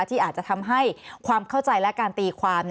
ที่อาจจะทำให้ความเข้าใจและการตีความ